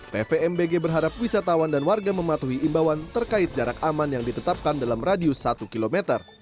pvmbg berharap wisatawan dan warga mematuhi imbauan terkait jarak aman yang ditetapkan dalam radius satu km